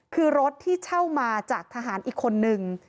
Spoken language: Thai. คือรถที่เช่ามาจากทหารอีกคนนึง